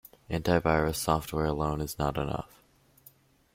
Anti-virus software alone is not enough.